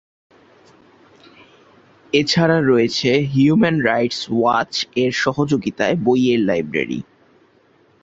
এছাড়া রয়েছে human rights watch এর সহযোগীতায় বইয়ের লাইব্রেরী।